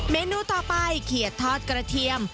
เมนูต่อไปเขียดทอดกระเทียม